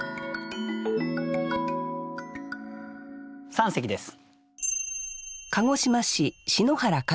三席です。